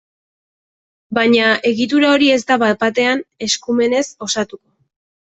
Baina, egitura hori ez da bat-batean eskumenez osatuko.